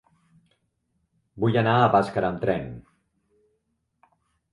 Vull anar a Bàscara amb tren.